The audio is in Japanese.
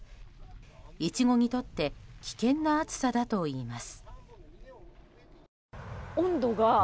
イチゴにとって危険な暑さだといいます。